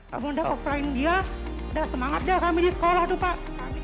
namun udah offline dia udah semangat deh kami di sekolah tuh pak